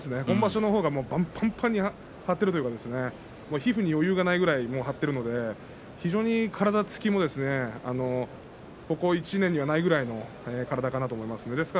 今場所のほうがぱんぱんに張ってるというか皮膚に余裕がないくらい張っているので非常に体つきもここ１年にはないくらいの体かなと思いますね。